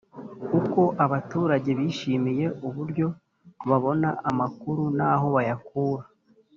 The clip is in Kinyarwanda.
Uko abaturage bishimiye uburyo babona amakuru n’aho bayakura